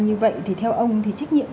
như vậy thì theo ông thì trách nhiệm